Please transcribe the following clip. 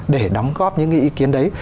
để đóng góp những ý kiến đấy